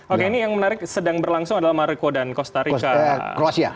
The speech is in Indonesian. oke ini yang menarik sedang berlangsung adalah maroko dan costa rica